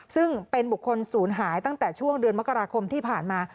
ซึ่งเป็นบุคคลศูนย์หายตั้งแต่ช่วงเดือนมกราคมที่ผ่านมา